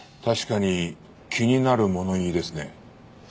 確かに気になる物言いですね。